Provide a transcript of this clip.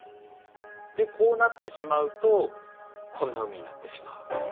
でこうなってしまうとこんな海になってしまう。